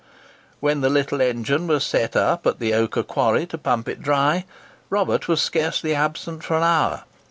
When the little engine was set up at the Ochre Quarry to pump it dry, Robert was scarcely absent for an hour.